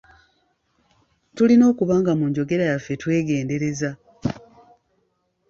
Tulina okuba nga mu njogera yaffe twegendereza.